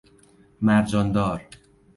مرجان دار